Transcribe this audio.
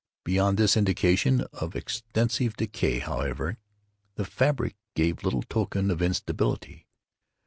Beyond this indication of extensive decay, however, the fabric gave little token of instability.